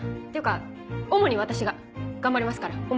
っていうか主に私が頑張りますから。